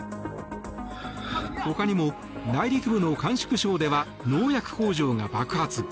他にも、内陸部の甘粛省では農薬工場が爆発。